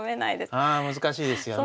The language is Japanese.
ああ難しいですよね。